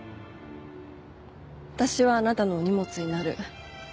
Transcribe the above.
私はあなたのお荷物になる。